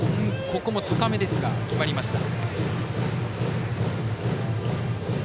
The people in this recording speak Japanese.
ここも高め、決まりました。